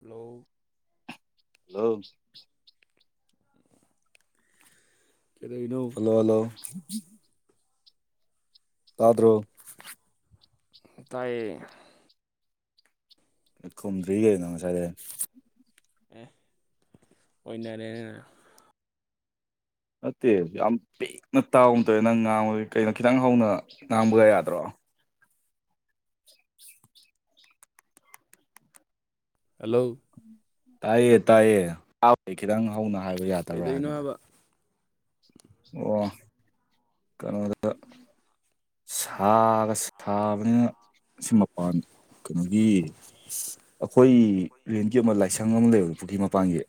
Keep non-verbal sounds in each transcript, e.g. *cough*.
hello hello ꯀꯔꯤꯅꯣ hello hello ꯇꯥꯗ꯭ꯔꯣ ꯇꯥꯏꯋꯦ ꯈꯨꯝꯗ꯭ꯔꯤ ꯀꯩꯅꯣ ꯉꯁꯥꯏꯗꯩ ꯑꯦ ꯑꯣꯏꯅꯔꯦ ꯅꯠꯇꯦ ꯌꯥꯝ ꯄꯤꯛꯅ ꯇꯥꯒꯨꯝ ꯇꯧꯋꯦ ꯅꯪ ꯉꯥꯡꯕ ꯀꯩꯅꯣ ꯈꯤꯇꯪ ꯍꯧꯅ ꯉꯥꯡꯕꯒ ꯌꯥꯗ꯭ꯔꯣ ꯍꯜꯂꯣ ꯇꯥꯏꯌꯦ ꯇꯥꯏꯌꯦꯥꯕ ꯈꯤꯇꯪ ꯍꯧꯅ ꯍꯥꯏꯕ ꯌꯥꯗꯕ꯭ꯔꯥ ꯀꯩꯗꯧꯔꯤꯅꯣ ꯍꯥꯏꯕꯅꯗ ꯍꯥꯏꯕ ꯑꯣ ꯀꯩꯅꯣꯗ ꯁꯥꯒ ꯁꯥꯕꯅꯤꯅ ꯁꯤ ꯃꯄꯥꯟꯗ ꯀꯩꯅꯣꯒꯤ ꯑꯩꯈꯣꯏ ꯔꯦꯟꯒꯤ ꯑꯃ ꯂꯥꯏꯁꯪ ꯑꯃ ꯂꯩꯕꯅꯦ ꯄꯨꯈ꯭ꯔꯤ ꯃꯄꯥꯟꯒꯤ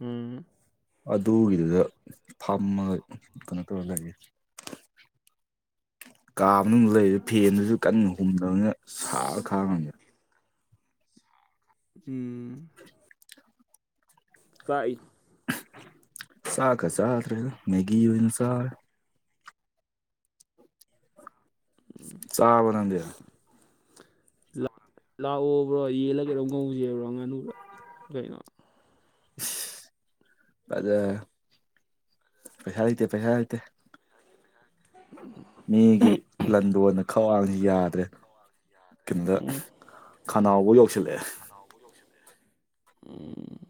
ꯎꯝ ꯑꯗꯨꯒꯤꯗꯨꯗ ꯐꯝꯃꯒ ꯀꯩꯅꯣ ꯇꯧꯔꯒ ꯂꯩꯌꯦ ꯀꯥ ꯃꯅꯨꯡꯗ ꯂꯩꯔꯤ ꯐꯦꯟꯗꯨꯁꯨ ꯀꯟꯅ ꯍꯨꯝꯗꯕꯅ ꯁꯥꯕꯅ ꯈꯥꯡꯉꯝꯗꯦ ꯎꯝ ꯆꯥꯏ ꯆꯥꯛ ꯀ ꯆꯥꯗ꯭ꯔꯦꯗ ꯃꯦꯒꯤ ꯑꯣꯏꯅ ꯆꯥꯔꯦ ꯆꯥꯔꯕꯅꯪꯗꯤ *inaudible* ꯂꯥꯛꯑꯣꯕ꯭ꯔꯣ ꯌꯦꯜꯂ ꯀꯩꯗꯧ ꯉꯧꯁꯦꯕ꯭ꯔꯣ ꯉꯥꯅꯨꯗ ꯀꯩꯅꯣ ꯐꯖꯔꯦ ꯄꯩꯁꯥ ꯂꯩꯇꯦ ꯄꯩꯁꯥ ꯂꯩꯇꯦ ꯃꯤꯒꯤ ꯂꯟꯗꯣꯟꯅ ꯈꯧꯋꯥꯥꯡꯁꯤ ꯌꯥꯗ꯭ꯔꯦ ꯀꯩꯅꯗ ꯈꯅꯥꯎꯕ ꯌꯧꯁꯤꯜꯂꯛꯑꯦ ꯈꯅꯥꯎꯕꯧ ꯌꯧꯁꯜꯂꯑꯦ ꯎꯝ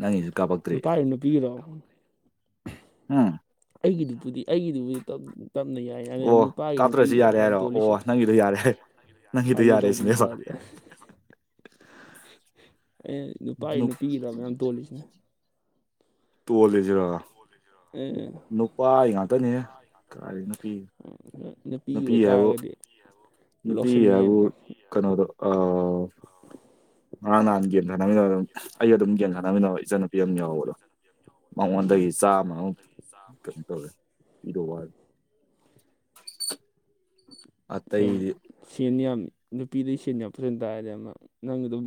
ꯅꯪꯒꯤꯁꯨ ꯀꯥꯞꯄꯛꯇ꯭ꯔꯤ ꯅꯨꯄꯥꯒ ꯅꯨꯄꯤꯒꯗꯣ ꯎꯝ ꯑꯩꯒꯤꯗꯨꯗꯨꯗꯤ ꯑꯩꯒꯤꯗꯨꯕꯨꯗꯤ ꯇꯞꯅ ꯌꯥꯏ ꯌꯥꯝ ꯑꯣ ꯅꯨꯄꯥꯒꯤ ꯀꯥꯞꯇ꯭ꯔꯁꯨ ꯅꯨꯄꯤꯗ ꯌꯥꯔꯦ ꯌꯥꯝ ꯍꯥꯏꯔꯣ ꯑꯣ ꯇꯣꯜꯂꯤꯁꯦ ꯅꯪꯒꯤꯗꯣ ꯌꯥꯔꯦ ꯅꯪꯒꯤꯗꯣ ꯐꯒꯤ ꯌꯥꯔꯦ ꯇꯧꯕꯅꯤ ꯁꯤꯅꯦꯕ ꯇꯔꯦ ꯑꯦ ꯅꯨꯄꯥꯒꯤ ꯅꯨꯄꯤꯒꯤꯗ ꯃꯌꯥꯝ ꯇꯣꯜꯂꯤꯁꯤꯅꯦ ꯇꯣꯜ ꯂꯤꯖꯤꯔꯥ ꯑꯦ ꯅꯨꯄꯥ ꯉꯥꯛꯇꯅꯦ ꯀꯥꯔꯤ ꯅꯨꯄꯤ ꯅꯨꯄꯤꯒꯤ ꯑꯣꯏꯇꯥꯔꯒꯗꯤ ꯅꯨꯅꯤꯄꯤꯒꯤ ꯂꯧꯁꯟ ꯍꯥꯏꯕꯕꯨ ꯌꯥꯏꯗꯅ ꯀꯩꯅꯣꯗꯣ ꯑ ꯉꯔꯥꯡꯅꯍꯥꯟꯟꯒꯤ ꯌꯦꯟꯅꯃꯤꯟꯅꯕ ꯑꯗꯨꯝ ꯑꯩ ꯑꯗꯨꯝ ꯌꯦꯟꯅꯃꯤꯟꯅꯕ ꯏꯆꯟ ꯅꯨꯄꯤ ꯑꯃ ꯌꯥꯎꯕꯗꯣ ꯃꯉꯣꯟꯗꯒꯤ ꯎꯝ ꯆꯥꯃꯃꯨ ꯀꯩꯅꯣ ꯇꯧꯋꯦ ꯄꯤꯗꯧꯋꯥꯠꯂꯤ *unintelligible* ꯑꯠꯇ ꯁꯨꯝ ꯑꯩꯗꯤ ꯁꯦꯟ ꯌꯥꯝꯃꯤ ꯅꯨꯄꯤꯗ ꯁꯦꯟ ꯌꯥꯝ ꯐꯖꯟ ꯇꯥꯔꯗꯤ ꯑꯃ ꯅꯪꯅ ꯑꯗꯨꯝ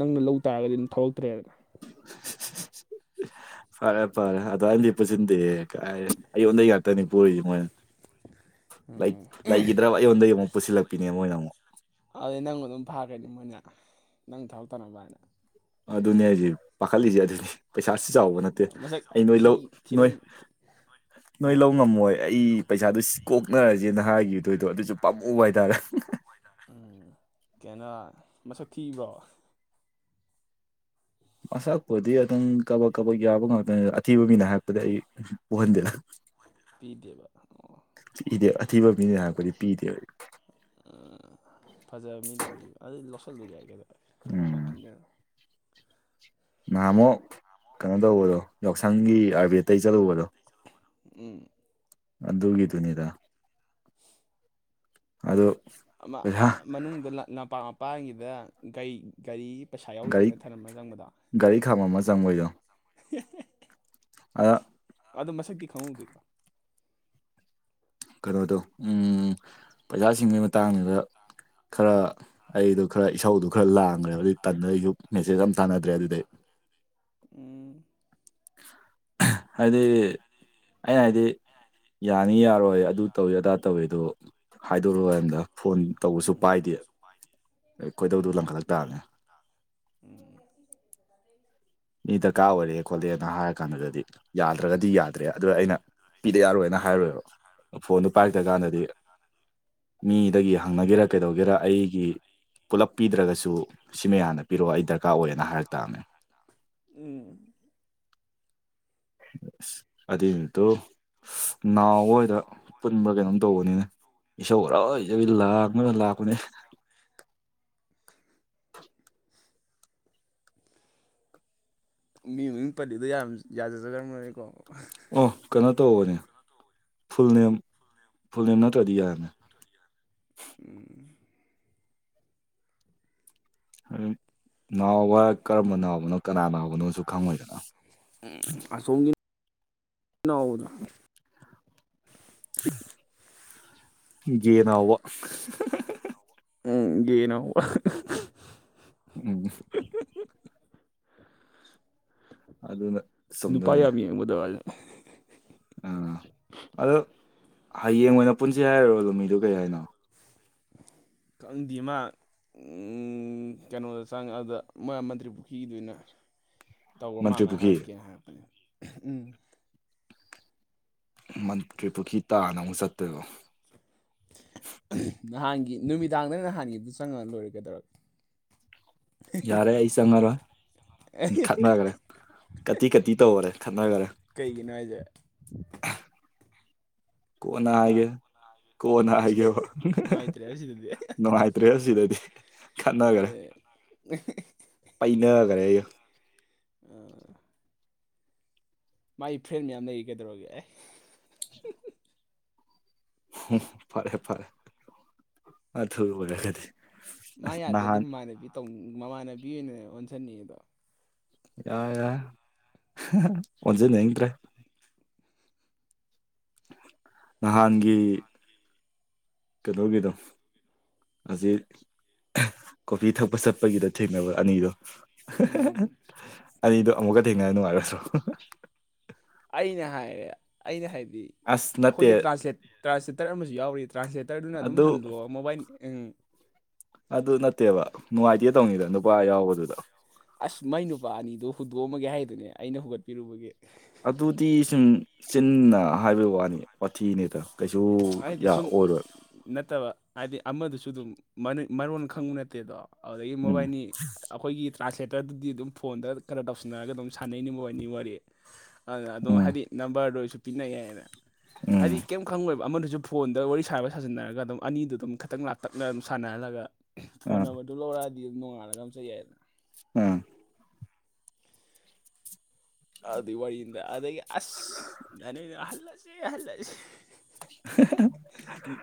ꯅꯪꯅ ꯂꯧ ꯇꯥꯔꯒꯗꯤ ꯑꯗꯨꯝ ꯊꯧꯂꯛꯇ꯭ꯔꯦꯗꯅ ꯐꯔꯦ ꯐꯔꯦ ꯑꯗꯨꯗ ꯑꯗꯤ ꯄꯨꯁꯤꯟꯗꯦ ꯀꯥꯏꯔꯦ ꯑꯩꯌꯣꯟꯗ ꯉꯥꯛꯇꯅꯤ ꯄꯨꯔꯤꯁꯦ ꯃꯣꯏꯅ ꯎꯝ ꯂꯩꯈꯤꯗ꯭ꯔꯕ ꯑꯩꯉꯣꯟꯗꯒꯤ ꯑꯃꯨꯛ ꯄꯨꯁꯤꯜꯂꯛꯄꯤꯅꯦ ꯃꯣꯏꯅ ꯑꯃꯨꯛ ꯑꯗꯨꯗꯩ ꯅꯪꯕꯨ ꯑꯗꯨꯝ ꯐꯥꯈ꯭ꯔꯅꯤ ꯃꯣꯏꯅ ꯅꯪ ꯊꯕꯛꯇꯅꯕꯅꯕ ꯍꯥꯏꯅ ꯑꯗꯨꯅꯦ ꯑꯩꯁꯦ ꯄꯥꯈꯠꯂꯤꯁꯦ ꯑꯗꯨꯅꯤ ꯄꯩꯁꯥꯁꯨ ꯆꯥꯎꯕ ꯅꯠꯇꯦ ꯃꯁꯛ ꯑꯩ ꯅꯣꯏ ꯊꯤ ꯂꯧ ꯊꯤꯔꯝ ꯅꯣꯏ ꯅꯣꯏ ꯑꯦ ꯂꯧ ꯉꯝꯃꯣꯏ ꯑꯩ ꯄꯩꯁꯥꯗꯨ ꯀꯣꯛꯅꯔꯁꯦ ꯅꯍꯥꯥꯟꯒꯤ ꯏꯊꯣꯏꯗꯣ ꯑꯗꯨꯁꯨ ꯄꯥꯝꯃꯨꯕ ꯍꯥꯏꯇꯥꯔꯦ ꯎꯝ ꯀꯩꯅ ꯃꯁꯛ ꯊꯤꯕ꯭ꯔꯣ ꯎꯝ ꯑꯁꯛꯄꯗꯤ ꯑꯗꯨꯪ ꯀꯕꯛ ꯀꯕꯛ ꯌꯥꯕ ꯉꯥꯛꯇꯅꯦ ꯑꯊꯤꯕ ꯃꯤꯅ ꯍꯥꯏꯔꯛꯄꯗꯤ ꯑꯩ ꯎꯍꯟꯗꯦꯗ ꯄꯤꯗꯦꯕ ꯑꯣ ꯄꯤꯗꯦ ꯑꯊꯤꯕ ꯄꯤꯅꯦ ꯂꯥꯛꯄꯗꯤ ꯄꯤꯗꯦ ꯍꯧꯖꯤ ꯐꯖꯕ ꯃꯤꯗꯪꯕꯤ ꯑꯗꯨ ꯂꯧꯁꯤꯜꯂꯨ ꯌꯥꯏ ꯀꯩꯗ꯭ꯔꯥ ꯑꯃ ꯎꯝ ꯈꯟꯖꯔ ꯅꯍꯥꯟ ꯑꯃꯨꯛ ꯀꯩꯅꯣ ꯇꯧꯕꯗꯣ ꯌꯥꯎꯁꯪꯒꯤ ꯑꯥꯔꯕꯤꯇꯩ ꯆꯠꯂꯨꯕꯗꯣ ꯎꯝ ꯑꯗꯨꯒꯤꯗꯨꯅꯤꯗ *unintelligible* ꯑꯗꯣ ꯑꯃ ꯑꯥ ꯄꯩꯁꯥ ꯃꯅꯨꯡꯗ ꯅꯄꯥꯛ ꯃꯄꯥꯡꯒꯤꯗ ꯒꯥꯔꯤ ꯒꯥꯔꯤ ꯄꯩꯁꯥ ꯒꯥꯔꯤ ꯌꯥꯎꯗ꯭ꯔꯦꯅ ꯊꯔꯝꯅ ꯆꯪꯕꯗ ꯒꯥꯔꯤ ꯈꯥꯃꯝꯃ ꯆꯪꯕꯣꯏꯗꯣ ꯑꯗꯣ ꯃꯁꯛꯇꯤ ꯈꯪꯍꯧꯗꯦꯀꯣ ꯀꯩꯅꯣꯗꯣ ꯎꯝ ꯄꯩꯁꯥꯁꯤꯡꯒꯤ ꯃꯇꯥꯡꯗꯨꯗ ꯈꯔ ꯑꯩꯗꯣ ꯈꯔ ꯏꯁꯧꯗꯨꯣ ꯈꯔ ꯂꯥꯡꯈ꯭ꯔꯦꯕ ꯑꯗꯨ ꯇꯟꯗꯩꯁꯨ ꯃꯦꯁꯦꯖ ꯌꯥꯝ ꯇꯥꯟꯅꯗ꯭ꯔꯦ ꯑꯗꯨꯗꯩ ꯎꯝ ꯍꯥꯏꯗꯤ ꯑꯩꯅ ꯍꯥꯏꯗꯤ ꯌꯥꯅꯤ ꯌꯥꯔꯣꯏ ꯑꯗꯨ ꯇꯧꯏꯤ ꯑꯗꯥ ꯇꯧꯏꯤ ꯑꯗꯨ ꯍꯥꯏꯗꯔ‌ꯣ ꯍꯥꯏꯝꯗ ꯐꯣꯟ ꯇꯧꯕꯁꯨ ꯄꯥꯏꯗꯦ ꯈ‌ꯣꯏꯗꯧꯗ ꯎꯝ ꯂꯪꯈꯠꯂꯛ ꯇꯥꯔꯅꯦ ꯎꯝ ꯃꯤ ꯗꯔꯀꯥꯔ ꯑꯣꯏꯔꯦ ꯈꯣꯠꯂꯦꯅ ꯍꯥꯏꯔ ꯀꯥꯟꯗꯨꯗꯗꯤ ꯌꯥꯗ꯭ꯔꯒꯗꯤ ꯌꯥꯗ꯭ꯔꯦ ꯑꯗꯨ ꯑꯩꯅ ꯄꯤꯗ ꯌꯥꯔꯣꯏꯅ ꯍꯥꯏꯔꯨꯑꯦꯕ ꯐꯣꯟꯗꯨꯣ ꯄꯥꯏꯔꯛꯇ꯭ꯔ ꯎꯝ ꯀꯥꯟꯗꯗꯤ ꯃꯤꯗꯒꯤ ꯍꯪꯅꯒꯦꯔ ꯀꯩꯗꯧꯒꯦꯔ ꯑꯩꯒꯤ ꯄꯨꯜꯂꯞ ꯄꯤꯗ꯭ꯔꯒꯁꯨ ꯁꯤ ꯃꯌꯥꯝꯅ ꯄꯤꯔꯛꯑꯣ ꯑꯩ ꯗꯔꯀꯥꯔ ꯑꯣꯏꯌꯦꯅ ꯍꯥꯏꯔꯛ ꯇꯥꯕꯅꯦ ꯎꯝ ꯑꯗꯨꯏ ꯅꯨꯃꯤꯠꯇꯣ ꯅꯥꯎꯕꯍ‌ꯣꯏꯗ ꯄꯨꯟꯕ ꯀꯩꯅꯣꯝ ꯇꯧꯕꯅꯤꯅꯦ ꯏꯁꯧ ꯍꯔꯣꯏꯖꯕꯤ ꯂꯥꯡꯉꯒ ꯂꯥꯛꯄꯅꯦ *unintelligible* ꯃꯤ ꯃꯃꯤꯡ ꯄꯟꯜꯂꯤꯗꯣ ꯌꯥꯝ ꯌꯥꯖꯖ‍꯭ꯔꯝꯃ‌ꯣꯏꯀꯣ ꯑꯣ ꯀꯩꯅꯣ ꯇꯧꯕꯅꯦ ꯐꯨꯜ ꯅꯦꯝ ꯐꯨꯜ ꯅꯦꯝ ꯅꯠꯇ꯭ꯔꯗꯤ ꯌꯥꯔꯅꯦ ꯎꯝ ꯅꯥꯎꯕ ꯀꯔꯝꯕ ꯅꯥꯎꯕꯅꯣ ꯀꯅꯥ ꯅꯥꯎꯕꯅꯣꯁꯨ ꯈꯪꯉꯣꯏꯗꯅ ꯎꯝ ꯑꯁꯣꯝꯒꯤ ꯅꯥꯎꯕꯗ‌ꯣ ꯒꯦ ꯅꯥꯎꯕ ꯑꯪ ꯒ‌ꯦ ꯅꯥꯎꯕ ꯎꯝ ꯑꯗꯨꯅ ꯅꯨꯄꯥ ꯆꯨꯝꯗꯣꯏꯅꯦ ꯌꯥꯝ ꯌ‌ꯦ *unintelligible* ꯑꯥ ꯑꯗꯣ ꯍꯌꯦꯡ ꯑꯣꯏꯅ ꯄꯨꯟꯁꯤ ꯍꯥꯏꯔꯨꯔꯣ ꯂꯧꯃꯤꯗꯨ ꯀꯩ ꯍꯥꯏꯅꯣ ꯈꯪꯗꯤꯌ‌ꯦ ꯃꯥ ꯀꯩꯅꯣꯗ ꯆꯪꯉꯛꯑꯗ ꯃꯣꯏ ꯑ ꯃꯟꯇ꯭ꯔꯤ ꯄꯨꯈ꯭ꯔꯤꯒꯤꯗ ꯑꯣꯏꯅ ꯇꯧꯈ꯭ꯔ ꯃꯥ ꯃꯟꯇ꯭ꯔꯤ ꯃꯥꯅ ꯄꯨꯈ꯭ꯔꯤ ꯍꯥꯏꯔꯛꯀꯦꯅ ꯍꯥꯏꯔꯛꯄꯅꯦ ꯎꯝ ꯃꯟꯇ꯭ꯔꯤ ꯄꯨꯈ꯭ꯔꯤ ꯇꯥꯅ ꯑꯃꯨꯛ ꯆꯠꯇꯣꯏꯔ‌ꯣ ꯅꯍꯥꯟꯒꯤ ꯅꯨꯃꯤꯗꯥꯡꯗ ꯅꯍꯥꯟꯒꯤꯗꯨ ꯆꯪꯉꯒ ꯂꯣꯏꯔꯦ ꯀꯩꯗꯧꯔꯒꯦ ꯌꯥꯔꯦ ꯑꯩ ꯆꯪꯉꯔꯣꯏ ꯈꯠꯅꯈ꯭ꯔꯦ ꯀꯥꯠꯇꯤ ꯀꯠꯇꯤ ꯇꯧꯔꯦ ꯈꯠꯅꯈ꯭ꯔꯦ ꯀꯩꯒꯤꯅꯣ ꯍꯥꯏꯁꯦ ꯀꯣꯟꯅ ꯍꯥ ꯍꯥꯏꯒ‌ꯦꯗ ꯀꯣꯟꯅ ꯍꯥꯏꯒꯦꯕ ꯅꯨꯡꯉꯥꯏꯇ꯭ꯔꯦ *unintelligible* ꯁꯤꯗꯗꯤ ꯅꯨꯡꯉꯥꯏꯇ꯭ꯔꯦ ꯁꯤꯗꯗꯤ ꯈꯠꯅꯒꯔꯦ ꯑ *unintelligible* ꯄꯩꯏꯅꯒꯔꯦ ꯑ ꯃꯥꯥꯏ ꯐ꯭ꯔꯦꯟ ꯃꯌꯥꯝ ꯂꯩꯒꯩꯗꯧꯔꯒꯦ ꯑꯦ ꯐꯔꯦ ꯐꯔꯦ ꯑꯗꯨ ꯑ‌ꯣꯏꯔꯒꯗꯤ ꯃꯥ ꯌꯥꯗ꯭ꯔꯗꯤ ꯃꯃꯥꯟꯅꯕꯤ ꯃꯃꯥꯟꯅꯕꯤ ꯑꯣꯏꯅꯅꯦ ꯑꯣꯟꯁꯤꯅ‌ꯦꯕ ꯌꯥꯔ ꯌꯥꯔ ꯑꯣꯟꯁꯤꯟꯅꯤꯡꯗ꯭ꯔꯦ ꯅꯍꯥꯟꯒꯤ ꯀꯩꯅ‌ꯣꯒꯤꯗꯣ ꯍꯧꯖꯤꯛ ꯀꯣꯐꯤ ꯊꯛꯄ ꯆꯠꯄꯒꯤꯗ ꯊꯦꯡꯅꯕ ꯑꯅꯤꯗꯣ ꯎꯝ ꯑꯅꯤꯗꯣ ꯑꯃꯨꯛꯀ ꯊꯦꯡꯅ ꯅꯨꯡꯉꯥꯏꯔ‌ꯣꯏꯗꯔ‌ꯣ ꯑꯩꯅ ꯍꯥꯏꯔꯦ ꯑꯩꯅ ꯍꯥꯏꯕꯗꯤ ꯑꯁ ꯅꯠꯇꯦ ꯑꯩꯈꯣꯏꯒꯤ ꯇ꯭ꯔꯥꯟꯁꯂꯦꯠ ꯇ꯭ꯔꯥꯟꯁꯂꯦꯇꯔ ꯑꯃꯁꯨ ꯌꯥꯎꯔꯤ ꯇ꯭ꯔꯥꯟꯁꯂꯦꯇꯔꯗꯨꯅ ꯑꯗꯨꯝ ꯑꯗꯨ ꯍꯜꯂꯣꯛꯑꯣ ꯃꯣꯕꯥꯏꯜ ꯑꯗꯨ ꯅꯠꯇꯦꯕ ꯅꯨꯡꯉꯥꯏꯇꯦ ꯇꯧꯅꯤꯗ ꯅꯨꯄꯥ ꯌꯥꯎꯕꯗꯨꯗ ꯑꯁ ꯃꯥꯏ ꯅꯨꯄꯥ ꯑꯅꯤꯗꯣ ꯍꯨꯟꯗꯣꯛꯑꯃꯒꯦ ꯍꯥꯏꯗꯨꯅꯦ ꯑꯩꯅ ꯍꯨꯒꯠꯄꯤꯔꯨꯕꯒꯤ ꯑꯗꯨꯗꯤ ꯁꯨꯝ ꯆꯤꯟꯅ ꯍꯥꯏꯕꯒꯤ ꯋꯥꯅꯤ ꯋꯥꯊꯤꯅꯦꯗ ꯀꯩꯁꯨ ꯍꯥꯏꯗꯤ ꯌꯥ ꯁꯨꯝ ꯑꯣꯏꯔꯣꯏ ꯅꯠꯇꯕ ꯍꯥꯏꯗꯤ ꯑꯃꯗꯨꯁꯨ ꯑꯗꯨꯝ ꯃꯔꯣꯟ ꯈꯪꯕ ꯅꯠꯇꯦꯗꯣ ꯑꯗꯨꯗꯒꯤ ꯎꯝ ꯃꯣꯕꯥꯏꯜꯅꯤ ꯑꯩꯈꯣꯏꯒꯤ ꯇ꯭ꯔꯥꯟꯁꯂꯦꯇꯔꯗꯨꯗꯤ ꯑꯗꯨꯝ ꯐꯣꯟꯗ ꯈꯔꯣ ꯇꯧꯁꯤꯟꯅꯔꯒ ꯑꯗꯨꯝ ꯁꯥꯟꯅꯩꯅꯤꯡꯕ ꯑꯣꯏꯅꯤ ꯋꯥꯔꯤ ꯑꯗꯨꯅ ꯑꯗꯨꯝ ꯎꯝ ꯍꯥꯏꯗꯤ ꯅꯝꯕꯔꯗꯣ ꯑꯩꯁꯨ ꯄꯤꯅꯩ ꯌꯥꯏꯅ ꯎꯝ ꯍꯥꯏꯗꯤ ꯀꯩꯝ ꯈꯪꯉꯣꯏꯕ ꯑꯃꯗꯨ ꯁꯨ ꯐꯣꯟꯗ ꯋꯥꯔꯤ ꯁꯥꯟꯅꯕ ꯁꯥꯖꯤꯟꯅꯔꯒ ꯑꯗꯨꯝ ꯑꯅꯤꯗꯨ ꯑꯗꯨꯝ ꯈꯤꯇꯪ ꯂꯥꯛꯞꯇꯛꯅ ꯑꯗꯨꯝ ꯁꯥꯟꯅꯍꯜꯂꯒ ꯐꯣꯟ ꯑꯥ ꯑꯃ ꯑꯗꯨ ꯂꯧꯔꯑꯗꯤ ꯑꯗꯨꯝ ꯅꯉꯜꯂꯒ ꯑꯃ ꯆꯠ ꯌꯥꯏꯗꯅ ꯎꯝ ꯑꯗꯨꯏ ꯋꯥꯔꯤꯅꯤꯗ ꯑꯗꯒꯤ ꯑꯁ ꯅꯣꯏ ꯍꯜꯂꯁꯤ ꯍꯜꯂꯛꯁꯦ *unintelligible*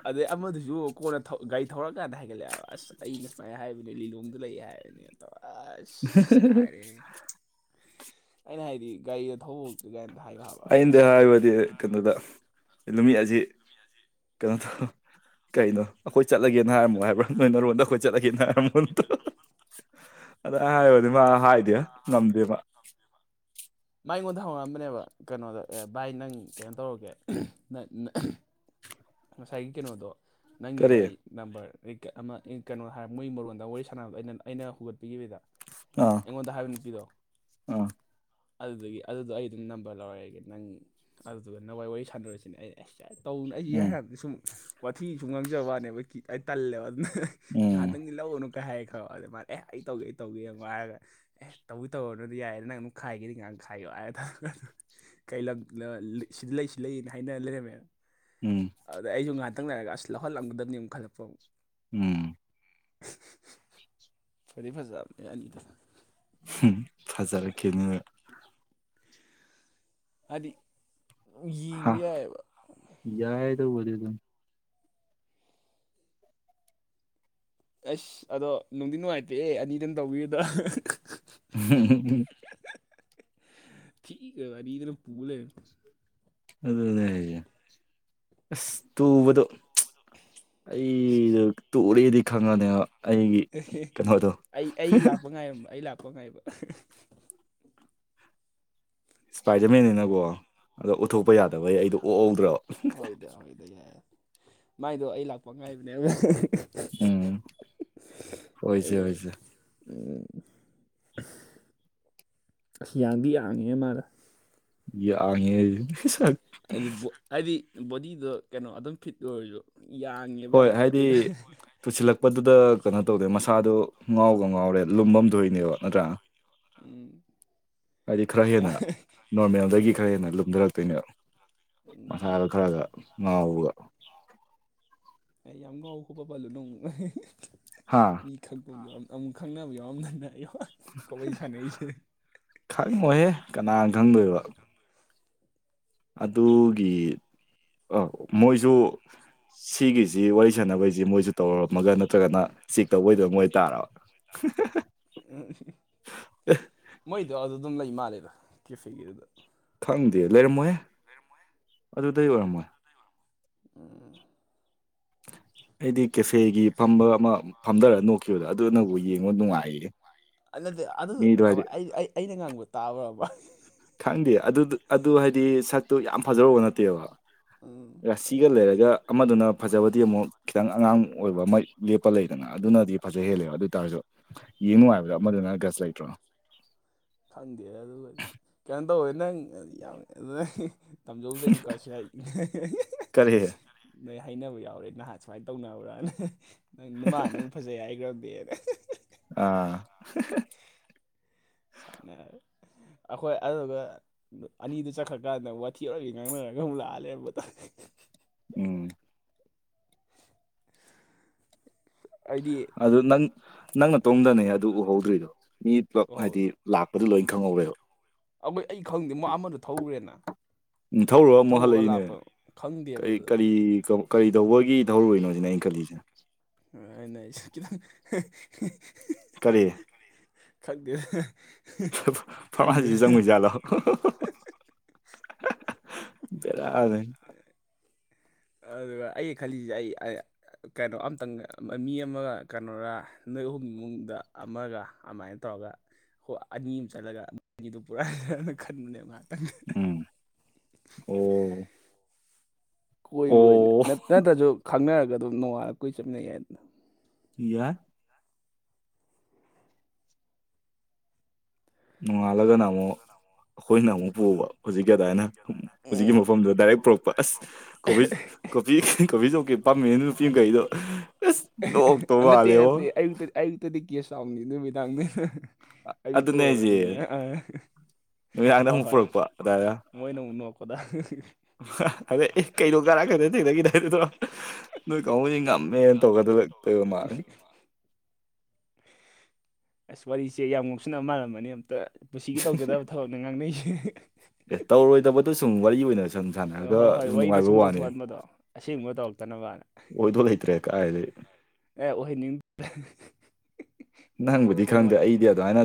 ꯑꯗꯩ ꯑꯃꯗꯨꯁꯨ ꯀꯣꯟꯅ ꯒꯥꯔꯤ ꯊꯧꯔꯀꯥꯟꯗ ꯍꯥꯏꯒꯠꯂꯛꯑꯦꯕ ꯑꯁ ꯑꯩꯅ ꯁꯨꯃꯥꯏꯅ ꯍꯥꯏꯕ ꯂꯤ ꯂꯣꯝꯗ ꯂꯩ ꯍꯥꯏꯕꯅꯦ ꯑꯁ ꯆꯦꯈꯥꯏꯔꯦ *unintelligible* ꯑꯩꯅ ꯍꯥꯏꯗꯤ ꯒꯥꯔꯤꯗ ꯊꯧꯕ ꯍꯧꯛꯇ꯭ꯦ ꯀꯥꯏꯅ ꯍꯥꯏꯕ ꯍꯥꯏꯕ ꯑꯩꯅꯗꯤ ꯍꯥꯏꯕꯗꯤ ꯀꯩꯅꯣꯗ ꯅꯨꯃꯤꯠ ꯑꯁꯤ ꯀꯩꯅꯣ ꯇꯧ ꯀꯩꯅꯣ ꯑꯩꯈꯣꯏ ꯆꯠꯂꯒꯦꯅ ꯍꯥꯏꯔꯝꯃꯣ ꯍꯥꯏꯕ꯭ꯔꯥ ꯅꯣꯏ ꯅꯔꯣꯟꯗ ꯑꯩꯈꯣꯏ ꯆꯠꯂꯒꯦꯅ ꯍꯥꯏꯔꯝꯃꯣꯗꯣ *unintelligible* ꯑꯗ ꯑꯩ ꯍꯥꯏꯣꯗꯤ ꯃꯥ ꯍꯥꯏꯗꯦ ꯉꯝꯗꯦ ꯃꯥ ꯃꯥꯏꯉꯣꯟꯗ ꯍꯧꯔꯛꯑꯝꯕꯅꯦꯕ ꯀꯩꯅꯣꯗ ꯑꯦ ꯚꯥꯏ ꯅꯪ ꯀꯩꯅꯣ ꯇꯧꯔꯒꯦ ꯉꯁꯥꯏꯒꯤ ꯀꯩꯅꯣꯗꯣ ꯅꯪꯒꯤꯗꯣ ꯀꯔꯤ ꯑꯩ ꯅꯝꯕꯔ ꯑꯃ ꯀꯩꯅꯣ ꯍꯥꯏ ꯃꯣꯏ ꯃꯔꯣꯟꯗ ꯋꯥꯔꯤ ꯁꯥꯟꯅꯕꯗꯣ ꯑꯩꯅ ꯑꯩꯅ ꯍꯧꯒꯠꯄꯤꯈꯤꯕꯗ ꯑꯥ ꯑꯩꯉꯣꯟꯗ ꯍꯥꯏꯕ ꯅꯨꯄꯤꯗꯣ ꯑꯥ ꯑꯗꯨꯗꯒꯤ ꯑꯗꯨꯗꯣ ꯑꯩ ꯑꯗꯨꯝ ꯅꯝꯕꯔ ꯂꯧꯔꯛꯑꯒꯦ ꯅꯪ ꯑꯗꯨꯗꯨꯒ ꯅ ꯋꯥꯔꯤꯏ ꯋꯥꯔꯤ ꯁꯥꯟꯅꯔꯁꯤꯅꯦ ꯑꯩ ꯑꯦꯁ ꯇꯧꯅ ꯑꯩꯁꯦ ꯎꯝ ꯍꯥꯏꯔꯅ ꯁꯨꯝ ꯋꯥꯊꯤꯁꯨ ꯉꯥꯡꯖꯕꯅꯦꯕ ꯀꯤ ꯑꯩ ꯇꯜꯂꯦꯕ ꯑꯗꯨꯅ ꯎꯝ ꯉꯥꯏꯍꯥꯛꯇꯪꯗꯤ ꯂꯧꯒꯅꯨ ꯀꯩ ꯍꯥꯏꯔꯦ ꯈꯥꯑꯕꯥ ꯑꯗꯨꯗ ꯃꯥ ꯑꯦ ꯑꯩ ꯇꯧꯒꯦ ꯑꯩ ꯇꯧꯒꯦ ꯌꯦꯡꯑꯣ ꯍꯥꯏꯔꯒ ꯑꯦ ꯇꯧꯗꯤ ꯇꯧꯔꯅꯨ ꯌꯥꯏꯌꯦ ꯅꯪ ꯑꯗꯨꯝ ꯈꯥꯏꯒꯦꯗꯤ ꯉꯥꯏꯍ ꯈꯥꯏꯌ ꯍꯥꯏꯔ ꯀꯩ ꯂꯝ ꯁꯤꯗ ꯂꯩ ꯁꯤ ꯂꯩꯅ ꯍꯥꯏꯅ ꯂꯩꯔꯝꯃꯦꯕ ꯎꯝ ꯑꯗꯩ ꯑꯩꯁꯨ ꯉꯥꯍꯛꯇꯪ ꯂꯩꯔꯒ ꯑꯁ ꯂꯧꯍꯜꯂꯝꯒꯗꯕꯅꯦ‌ ꯈꯜꯂꯄꯨ ꯎꯝ *unintelligible* ꯐꯗꯤ ꯐꯖꯥꯕꯅꯤꯍꯦ ꯑꯅꯤꯗꯣ ꯍꯝ ꯐꯥꯖꯔꯛꯈꯤꯅꯤꯅꯡ ꯍꯥꯏꯗꯤ ꯌꯦꯡꯕ ꯌꯥꯏꯑꯕ ꯌꯥꯏꯑꯗꯨꯕꯨꯗꯤ ꯗꯨꯝ ꯑꯁ ꯑꯗꯣ ꯅꯨꯡꯗꯤ ꯅꯨꯡꯉꯥꯏꯇꯦꯍꯦ ꯑꯅꯤꯗꯨꯅ ꯇꯧꯕꯤꯔꯤꯗꯣ ꯍꯝ ꯊꯤ ꯇꯔꯕ ꯑꯅꯤꯗꯨꯅ ꯄꯨ ꯂꯩꯔꯝꯃꯤ ꯑꯗꯨꯅꯦ ꯍꯥꯏꯁꯦ ꯑꯁ ꯇꯨꯕꯗꯣ ꯑꯩꯅꯥ ꯇꯔꯦꯗꯤ ꯈꯪꯉꯅꯦꯕ ꯑꯩꯒꯤ ꯀꯩꯅꯣꯗꯣ ꯑꯩ ꯑꯩ ꯂꯥꯛꯄ ꯉꯥꯏꯔꯝꯕ ꯑꯩ ꯂꯥꯛꯄ ꯉꯥꯏꯕ ꯏꯁꯄꯥꯏꯗꯔꯃꯦꯟꯅꯤꯅꯀꯣ ꯑꯗꯣ ꯎꯠꯊꯣꯛꯄ ꯌꯥꯗꯕꯩ ꯑꯩꯗꯣ ꯑꯣꯛꯍꯧꯗ꯭ꯔꯕ ꯍꯣꯏꯗ ꯃꯥꯏꯗꯣ ꯑꯩ ꯂꯥꯛꯄ ꯉꯥꯏꯕꯅꯦꯕ ꯎꯝ ꯑꯣꯏꯁꯦ ꯑꯩꯉ ꯎ ꯑꯣꯏꯁꯦ ꯑ ꯌꯥꯡꯗꯤ ꯌꯥꯡꯉꯤ ꯃꯥꯗ ꯌꯦ ꯑꯉꯦꯁ *inaudible* ꯍꯥꯏꯗꯤ ꯍꯥꯏꯗꯤ ꯕꯣꯗꯤꯗꯣ ꯀꯩꯅꯣ ꯑꯗꯨꯝ ꯐꯤꯠ ꯑꯣꯏꯔꯗꯤ ꯌꯥ ꯍꯣꯏ ꯍꯥꯏꯗꯤ ꯇꯨꯁꯤꯜꯂꯛꯄꯗꯨꯗ ꯀꯩꯅꯣ ꯇꯧꯗꯦ ꯃꯁꯥꯗꯣ ꯉꯥꯎꯒ ꯉꯥꯎꯔꯦ ꯂꯨꯝꯐꯝ ꯊꯣꯛꯏꯅꯦꯕ ꯅꯠꯇ꯭ꯔꯥ ꯎꯝ ꯍꯥꯏꯗꯤ ꯈꯔ ꯌꯥ ꯍꯦꯟꯅ ꯅꯣꯔꯃꯦꯜꯗꯒꯤ ꯈꯔ ꯍꯦꯟꯅ ꯂꯨꯝꯊꯔꯛꯇꯣꯏꯅꯦꯕ ꯎꯝ ꯃꯁꯥꯗꯤ ꯈ꯭ꯔꯒ ꯉꯥꯎꯕꯒ ꯍꯩ ꯌꯥꯝ ꯉꯥꯎꯕ ꯈꯣꯠꯄ ꯄꯥꯂꯨꯅꯨ ꯑꯃꯨꯛ ꯍꯥꯥ ꯃꯤ ꯊꯛꯄ ꯑꯃꯨꯛ ꯈꯪꯅꯕ ꯌꯥꯎꯔꯝ ꯗꯅ ꯑꯩꯈꯣꯏꯕꯩꯅꯤ ꯁꯥꯟꯅꯩꯁꯦ ꯈꯪꯉꯣꯏꯍꯦ ꯀꯅꯥ ꯈꯪꯗꯣꯏꯕ ꯑꯗꯨꯒꯤ ꯑ ꯃꯣꯏꯁꯨ ꯁꯤꯒꯤꯁꯤ ꯋꯥꯔꯤ ꯁꯥꯟꯅꯕꯩꯁꯤ ꯃꯣꯏꯁꯨ ꯇꯧꯔꯝꯃꯒ ꯅꯠꯇ꯭ꯔꯒꯅ ꯆꯦꯛ ꯇꯧꯕꯩꯗ ꯃꯣꯏ ꯇꯥꯔꯕ ꯑꯣꯏꯣꯏ ꯇꯥꯅ ꯑꯦ ꯎ ꯃꯣꯏꯗꯣ ꯑꯗꯨ ꯑꯗꯨꯝ ꯂꯩ ꯃꯥꯜꯂꯦꯗ ꯀꯦꯐꯦꯒꯤꯗꯨꯗ ꯈꯪꯗꯦ ꯂꯩꯔꯝꯃꯣꯍꯦ ꯑꯗꯨꯗꯩ ꯑꯣꯏꯔꯝꯃꯣꯏ ꯎ ꯑꯩꯗꯤ ꯀꯦꯐꯦꯒꯤ ꯐꯝꯕ ꯑꯃ ꯐꯝꯗꯔ ꯅꯣꯛꯈꯤꯕꯗꯣ ꯑꯗꯨꯅꯕꯨ ꯌꯦꯡꯉꯣ ꯅꯨꯡꯉꯥꯏꯌꯦ ꯗꯤ ꯑꯗꯨ ꯃꯤꯗꯣ ꯍꯥꯏꯗꯤ ꯑꯩꯅ ꯉꯥꯡꯕ ꯇꯥꯕꯔꯕ ꯈꯪꯗꯦ ꯑꯗꯨ ꯑꯗꯨ ꯍꯥꯏꯗꯤ ꯁꯠ ꯁꯛꯇꯨ ꯌꯥꯝ ꯐꯖꯔꯕ ꯅꯠꯇꯦ ꯎ ꯂꯩꯔꯒ ꯔꯥꯁꯤꯒ ꯑꯃꯗꯨꯅ ꯂꯩꯔꯒ ꯑꯃꯗꯨꯅ ꯐꯖꯕꯗꯤ ꯑꯃꯨꯛ ꯈꯤꯇꯪ ꯑꯉꯥꯡ ꯑꯣꯏꯕ ꯃꯩ ꯂꯦꯞꯄ ꯂꯩꯗꯅ ꯑꯗꯨꯅꯗꯤ ꯐꯖꯍꯦꯟꯂꯦꯕꯥ ꯑꯗꯨ ꯑꯣꯏꯇꯥꯥꯔꯁꯨ ꯌꯦꯡ ꯅꯨꯉꯥꯏꯕꯗ ꯑꯃꯗꯨꯅ ꯒꯇꯁ ꯂꯩꯇ꯭ꯔꯣ ꯈꯪꯗꯦ ꯑꯗꯨꯒꯗꯤ ꯀꯩꯅꯣ ꯇꯧꯌꯦ ꯅꯪ ꯌꯥꯝ ꯇꯝꯖꯧꯖꯅꯤꯀꯣ ꯁꯤ ꯍꯥꯏ ꯀꯔꯤ ꯅꯣꯏ ꯍꯥꯏꯅꯕ ꯌꯥꯎꯔꯦ ꯅꯍꯥꯟ ꯁꯨꯃꯥꯏꯅ ꯇꯧꯅꯕ꯭ꯔꯥꯅ ꯅꯪ ꯃꯅꯥ ꯅꯪ ꯐꯖꯩ ꯍꯥꯏꯈ꯭ꯔꯕꯅꯤꯅ ꯑꯥ ꯁꯥꯟꯅꯔ ꯑꯩꯈꯣꯏ ꯑꯗꯨꯒ ꯑꯅꯤꯗꯨ ꯆꯠꯈ꯭ꯔꯀꯥꯟꯗ ꯋꯥꯊꯤꯔꯒ ꯉꯥꯡꯅꯔꯒ ꯑꯃꯨꯛ ꯂꯥꯛꯍꯜꯂꯦꯕ ꯇꯦ ꯎꯝ ꯑꯩꯗꯤ ꯑꯗꯨ ꯅꯪ-ꯅꯪ ꯅꯇꯣꯡꯝꯗꯅꯦ ꯑꯗꯨ ꯎꯍꯧꯗ꯭ꯔꯤꯗꯣ ꯃꯤ ꯄꯨꯂꯞ ꯑꯣ ꯍꯥꯏꯗꯤ ꯂꯥꯛꯄꯗꯨ ꯂꯣꯏ ꯈꯪꯍꯧꯔꯦꯕ ꯑꯩꯈꯣꯏ ꯑꯩ ꯈꯪꯗꯦ ꯃꯥ ꯑꯃꯗ ꯊꯧꯒꯔꯦꯅ ꯅꯤꯡꯊꯧꯔꯒ ꯑꯃꯨꯛ ꯍꯜꯂꯛꯏꯅꯦ ꯈꯪꯗꯦꯕ ꯀꯔꯤ ꯑꯗꯨꯗ ꯀꯔꯤ ꯀꯔꯤ ꯇꯧꯕꯒꯤ ꯊꯧꯔꯨꯏꯅꯣ ꯁꯤꯅꯦ ꯑꯩꯅ ꯈꯜꯂꯤꯁꯦ ꯀꯔꯤ *inaudible* ꯈꯪꯗ꯭ꯔꯦ ꯐꯥꯔꯃꯥꯁꯤꯁꯨ ꯆꯪꯉꯣꯏꯖꯥꯠꯂꯣ ꯕꯦꯔꯥꯅꯦ ꯑꯗꯨꯒ ꯑꯩ ꯈꯜꯂꯤꯁꯦ ꯑꯩ ꯀꯩꯅꯣ ꯑꯝꯇꯪ ꯃꯤ ꯑꯃꯒ ꯀꯩꯅꯣꯒ ꯅꯣꯏ ꯑꯍꯨꯝꯃꯨꯡꯗ ꯑꯃꯒ ꯑꯗꯨꯃꯥꯏꯅ ꯇꯧꯔꯒ ꯍꯣꯏ ꯑꯅꯤ ꯑꯃ ꯆꯠꯂꯒ ꯃꯗꯨ ꯄꯨꯔꯥꯅ ꯈꯟꯕꯅꯦꯕ ꯉꯥꯏꯍꯥꯛꯇꯪ ꯎꯝ ꯑꯣ ꯀꯣꯏꯕꯣꯏꯅꯦ ꯑꯣ ꯅꯠꯇ꯭ꯔꯁꯨ ꯈꯪꯅꯔꯒ ꯑꯗꯨꯝ ꯅꯣꯡꯉꯥꯔ ꯀꯨꯏ ꯆꯠꯃꯤꯟꯅꯩ ꯍꯥꯏꯗꯅ ꯌꯥ ꯅꯣꯡꯉꯥꯜꯂꯒꯅ ꯑꯃꯨꯛ ꯑꯩꯈꯣꯏꯅ ꯑꯃꯨꯛ ꯄꯨꯕ ꯍꯧꯖꯤꯛꯀꯤꯗꯥꯏꯅ ꯍꯧꯖꯤꯛꯀꯤ ꯎꯝ ꯃꯐꯝꯗꯣ ꯗꯥꯏꯔꯦꯛ ꯄꯨꯔꯛꯄ ꯑꯁ ꯀꯣꯕꯤ- ꯀꯣꯕꯤ-ꯀꯣꯕꯤ ꯆꯧꯀꯤ ꯄꯥꯝꯃꯦꯅ ꯅꯨꯄꯤ ꯃꯈꯩꯗꯣ ꯑꯁ ꯅꯣꯛꯇꯧ ꯅꯠꯇꯦ ꯅꯠꯇꯦ ꯃꯥꯜꯂꯦꯉꯣ ꯑꯌꯨꯛꯇ- ꯑꯌꯨꯛꯇꯗꯤ ꯀꯦꯁ ꯆꯥꯎꯕꯅꯤ ꯅ ꯅꯨ ꯃꯃꯤꯗꯥꯡꯗ ꯑꯩꯕꯨ ꯑꯗꯨꯅꯦ ꯀꯣꯏꯔꯕ ꯑꯗꯨꯅꯦ ꯍꯥꯏꯁꯦ ꯅꯨꯃꯤꯗꯥꯡꯗ ꯍ ꯑꯃꯨꯛ ꯍꯣꯏ ꯄꯨꯔꯛꯄ ꯑꯗꯥꯏꯅ ꯃꯣꯏꯅ ꯑꯃꯨ ꯅꯣꯛꯄꯗꯥ ꯑꯗꯩ ꯑꯦ ꯀꯩꯗꯧ ꯀꯔꯛꯀꯗ ꯊꯦꯡꯗꯈꯤꯦꯗꯗꯨ꯭ꯔꯣ ꯅꯣꯏ ꯀꯍꯗꯤ ꯉꯝꯃꯦ ꯇꯒꯗꯕ ꯏꯛꯇꯨꯒ ꯃꯥꯜꯂꯤ ꯑꯁ ꯋꯥꯔꯤꯁꯦ ꯌꯥꯝ ꯉꯨꯞꯁꯤꯟꯅ ꯃꯥꯜꯂꯝꯃꯅꯤ ꯑꯝꯇ ꯄꯨꯟꯁꯤꯒꯤ ꯇꯧꯖꯗꯕ ꯊꯕꯅ ꯉꯥꯡꯅꯩꯁꯦ ꯑꯦ ꯇꯧꯔꯣꯏꯗꯕꯗꯣ ꯁꯨꯝ ꯋꯥꯔꯤ ꯇꯧꯔꯣꯏꯗꯕꯗ ꯑꯣꯏꯅ ꯁꯨꯝ ꯋꯥꯔꯤ ꯁꯥꯟꯅꯔꯒ ꯁꯨꯝ ꯅꯨꯡꯉꯥꯏꯕ ꯋꯥꯅꯦ ꯑꯁꯤꯒꯨꯝꯕ ꯇꯧꯔꯛꯇꯅꯕꯅ ꯑꯣꯏꯗꯣ ꯂꯩꯇ꯭ꯔꯦ ꯀꯥꯏꯗꯒꯤ ꯑꯦ ꯑꯣꯏꯍꯟꯅꯤꯡꯕ ꯅꯪꯕꯨꯗꯤ ꯈꯪꯗꯦ ꯑꯩꯗꯤ ꯑꯗꯨꯃꯥꯏꯅ